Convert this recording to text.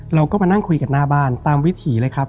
เราก็มานั่งคุยกันหน้าบ้านตามวิถีเลยครับ